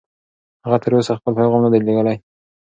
هغه تر اوسه خپل پیغام نه دی لېږلی.